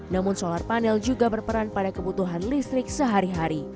namun solar panel juga berperan pada kebutuhan listrik sehari hari